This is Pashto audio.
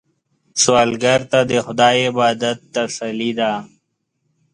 سوالګر ته د خدای عبادت تسلي ده